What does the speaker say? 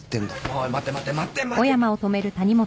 おい待て待て待て待て待て。